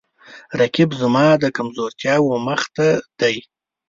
رقیب زما د کمزورتیاو مخ ته دی